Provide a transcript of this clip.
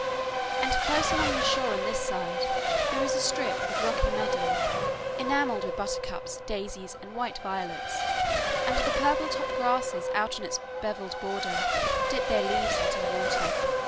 And close along the shore on this side there is a strip of rocky meadow enameled with buttercups, daisies, and white violets, and the purple topped grasses out on its beveled border dip their leaves into the water.